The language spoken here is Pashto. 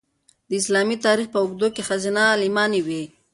د اسلامي تاریخ په اوږدو کې ښځینه عالمانې وې.